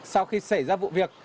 sau khi xảy ra vụ việc